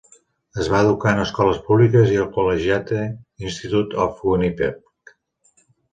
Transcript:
Es va educar en escoles públiques i al Collegiate Institute of Winnipeg.